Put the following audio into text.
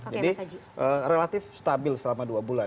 jadi relatif stabil selama dua bulan